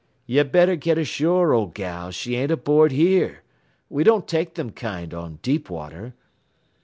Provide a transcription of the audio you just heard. "'Ye better get ashore, old gal, she ain't aboard here. We don't take thim kind on deep water.'